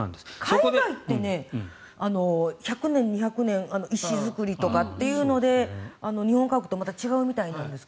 海外って１００年２００年石造りとかってので日本家屋とまた違うみたいなんですが。